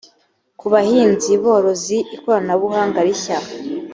ku bahinzi borozi ikoranabuhanga rishya